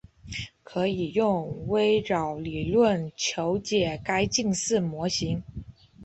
可以用微扰理论求解该近似模型。